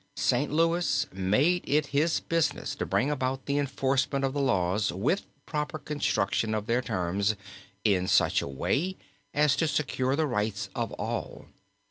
St. Louis made it his business to bring about the enforcement of the laws with proper construction of their terms in such a way as to secure the rights of all.